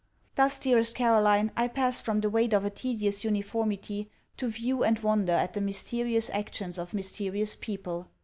Thus, dearest Caroline, I pass from the weight of a tedious uniformity, to view and wonder at the mysterious actions of mysterious people.